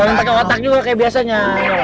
jangan pakai otak juga kayak biasanya